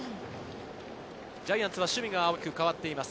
ジャイアンツは守備が代わっています。